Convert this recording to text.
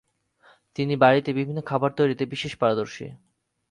তিনি বাড়িতে বিভিন্ন খাবার তৈরীতে বিশেষ পারদর্শী।